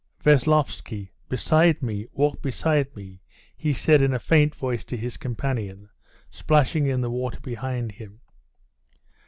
"Veslovsky, beside me, walk beside me!" he said in a faint voice to his companion splashing in the water behind him.